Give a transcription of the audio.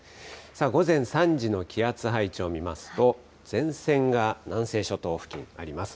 午前３時の気圧配置を見ますと、前線が南西諸島付近、あります。